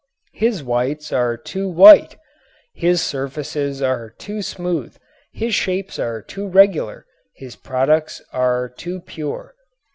His whites are too white, his surfaces are too smooth, his shapes are too regular, his products are too pure.